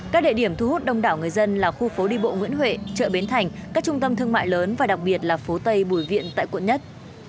các địa điểm thu hút đông đảo người dân là khu phố đi bộ nguyễn huệ chợ bến thành các trung tâm thương mại lớn và đặc biệt là phố tây bùi viện tại quận một